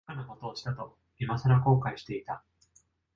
馬鹿なことをしたと、いまさら後悔していた。